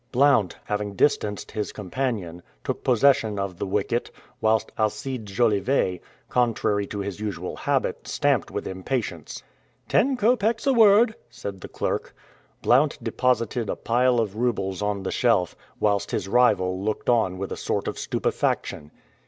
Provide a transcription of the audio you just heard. Blount, having distanced his companion, took possession of the wicket, whilst Alcide Jolivet, contrary to his usual habit, stamped with impatience. "Ten copecks a word," said the clerk. Blount deposited a pile of roubles on the shelf, whilst his rival looked on with a sort of stupefaction.